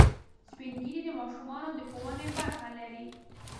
سپین ږیری د ماشومانو د ښوونې برخه لري